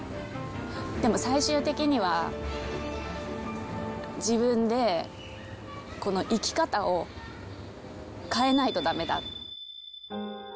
でも最終的には、自分でこの生き方を変えないとだめだ。